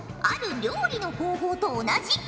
ある料理の方法と同じ。